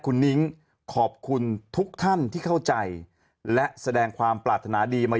คุณนิ้งขอบคุณทุกท่านที่เข้าใจและแสดงความปรารถนาดีมา